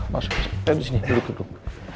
masuk ayo disini duduk duduk